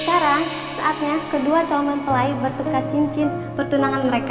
sekarang saatnya kedua calon mempelai bertukar cincin bertunangan mereka